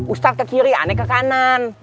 ustaf ke kiri aneh ke kanan